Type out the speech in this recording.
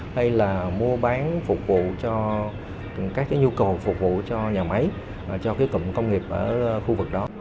hay là mua bán phục vụ cho các nhu cầu phục vụ cho nhà máy cho cái cụm công nghiệp ở khu vực đó